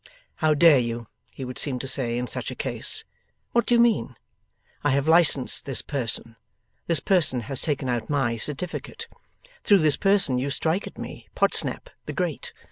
'How dare you?' he would seem to say, in such a case. 'What do you mean? I have licensed this person. This person has taken out MY certificate. Through this person you strike at me, Podsnap the Great.